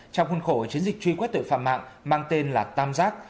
trong khuôn khổ chiến dịch truy quét tội phạm mạng mang tên là tamzak